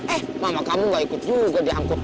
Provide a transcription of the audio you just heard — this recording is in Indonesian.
eh mama kamu gak ikut juga di angkot